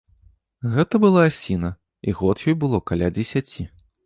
Гэта была асіна, і год ёй было каля дзесяці.